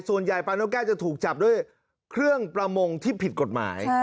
ปลานกแก้วจะถูกจับด้วยเครื่องประมงที่ผิดกฎหมาย